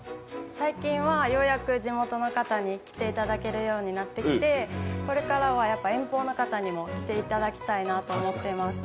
最近は、ようやく地元の方に来ていただけるようになってこれからは遠方の方にも来ていただきたいなと思っています。